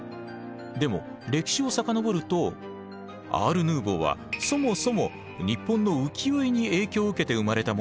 でも歴史を遡るとアール・ヌーヴォーはそもそも日本の浮世絵に影響を受けて生まれたものなんです。